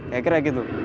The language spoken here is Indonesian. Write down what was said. ya kira kira gitu